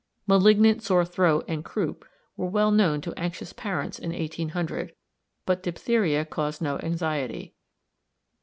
"Malignant sore throat" and "croup" were well known to anxious parents in 1800, but "diphtheria" caused no anxiety.